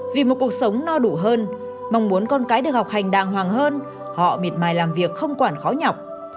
vì một cuộc sống no đủ hơn mong muốn con cái được học hành đàng hoàng hơn họ miệt mài làm việc không quản khó nhọc